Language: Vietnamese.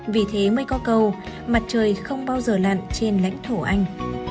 vì thế mới có cầu mặt trời không bao giờ lặn trên lãnh thổ anh